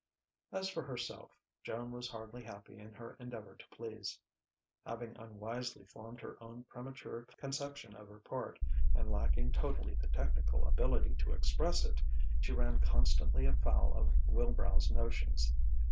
As for herself, Joan was hardly happy in her endeavour to please. Having unwisely formed her own premature conception of her part, and lacking totally the technical ability to express it, she ran constantly afoul of Wilbrow's notions.